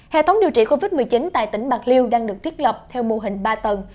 hệ thống điều trị covid một mươi chín tại tỉnh bạc liêu đang được thiết lập theo mô hình ba tầng